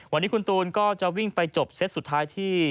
วันนี้คุณตูนก็จะวิ่งไปจบเซตสุดท้ายที่